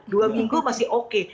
dua minggu masih oke